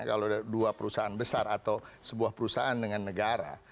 kalau ada dua perusahaan besar atau sebuah perusahaan dengan negara